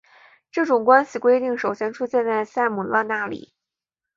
这种关系规定首先出现在塞姆勒那里。